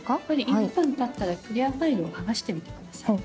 １分たったらクリアファイルを剥がしてみてください。